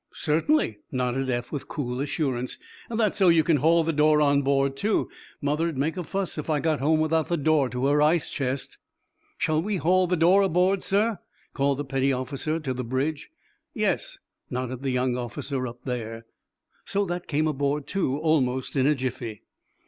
"Certainly," nodded Eph, with cool assurance. "That's so you can haul the door on board, too. Mother'd make a fuss if I got home without the door to her ice chest." "Shall we haul the door aboard, sir?" called the petty officer to the bridge. "Yes," nodded the young officer up there. So that came aboard, too, almost in a jiffy.